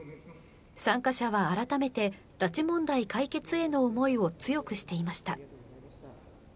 参加者は改めて拉致問題解決への思いを強くしていました。